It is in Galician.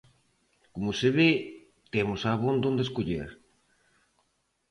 Como se ve, temos abondo onde escoller.